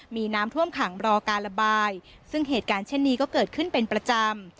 มีน้ำท่วมขังรอการระบายซึ่งเหตุการณ์เช่นนี้ก็เกิดขึ้นเป็นประจำ